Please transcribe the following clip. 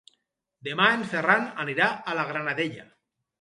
Demà en Ferran anirà a la Granadella.